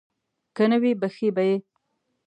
که نه وي بښي به یې.